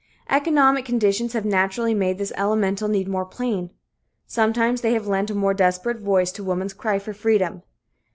Economic conditions have naturally made this elemental need more plain; sometimes they have lent a more desperate voice to woman's cry for freedom.